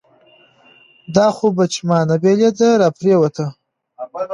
دا خو بهٔ چې مانه بېلېده راپرېوته